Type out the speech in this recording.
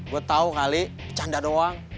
gue tau kali canda doang